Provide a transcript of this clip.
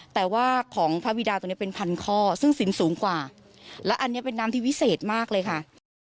แต่ว่าของพระบิดาตัวนี้เป็นพันข้อซึ่งสินสูงกว่าและอันนี้เป็นน้ำที่วิเศษมากเลยค่ะ